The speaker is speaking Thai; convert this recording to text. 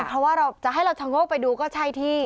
เพราะว่าเราจะให้เราชะโงกไปดูก็ใช่ที่